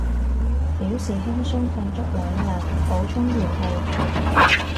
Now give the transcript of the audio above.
表示輕鬆瞓足兩日，補充元氣